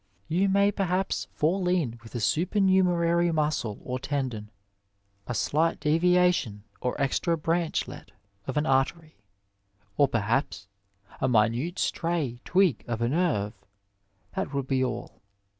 You may, perhaps, fall in with a supernumerary muscle or tendon, a slight deviation or extra branchlet of an artery, or, perhaps, a minute stray twig of a nerve — ^that will be all.